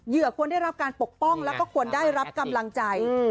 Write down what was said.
ควรได้รับการปกป้องแล้วก็ควรได้รับกำลังใจ